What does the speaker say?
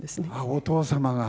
お父様が？